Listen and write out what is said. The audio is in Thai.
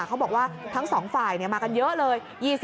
เขาบอกว่าทั้งสองฝ่ายมากันเยอะเลย